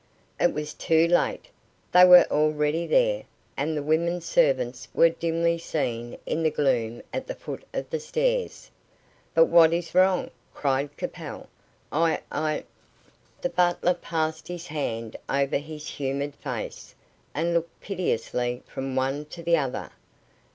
It was too late; they were already there; and the women servants were dimly seen in the gloom at the foot of the stairs. "But what is wrong?" cried Capel. "I I " The butler passed his hand over his humid face, and looked piteously from one to the other.